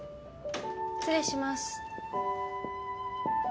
失礼します。